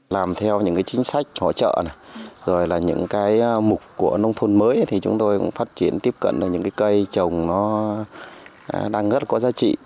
làm theo những cái chính sách hỗ trợ này rồi là những cái mục của nông thôn mới thì chúng tôi cũng phát triển tiếp cận được những cái cây trồng nó đang rất là có giá trị